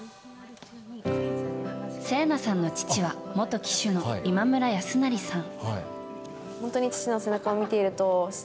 聖奈さんの父は元騎手の今村康成さん。